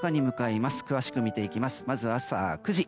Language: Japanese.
まず朝９時。